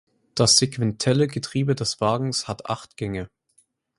Das sequentielle Getriebe des Wagens hat acht Gänge.